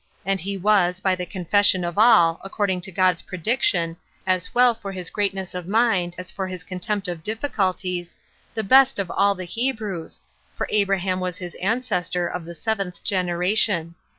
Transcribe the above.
And he was, by the confession of all, according to God's prediction, as well for his greatness of mind as for his contempt of difficulties, the best of all the Hebrews, for Abraham was his ancestor of the seventh generation.